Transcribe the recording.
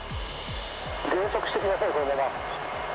減速してください、このまま。